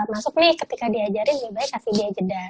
masuk nih ketika diajarin lebih baik kasih dia jeda